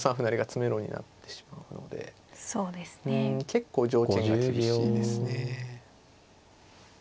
結構条件が厳しいですね。